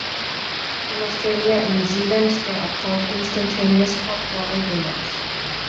In Australia and New Zealand they are called "instantaneous hot water units".